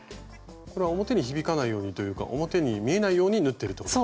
これは表に響かないようにというか表に見えないように縫ってると。